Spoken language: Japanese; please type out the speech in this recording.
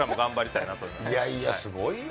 いやいや、すごいよ。